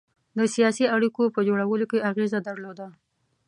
د سیاسي اړېکو په جوړولو کې اغېزه درلوده.